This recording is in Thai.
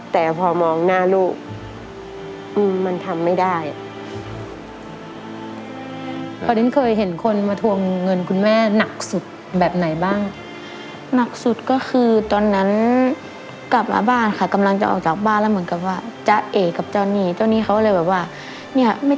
ตกใจไหมลูกตกใจมากค่ะเพราะว่ามันไม่เคยมี